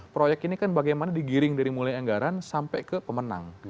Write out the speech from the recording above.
proyek ini kan bagaimana digiring dari mulai anggaran sampai ke pemenang